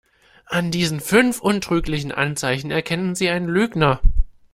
An diesen fünf untrüglichen Anzeichen erkennen Sie einen Lügner.